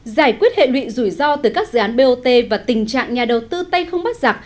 giải quyết hệ lụy rủi ro từ các dự án bot và tình trạng nhà đầu tư tay không bắt giặc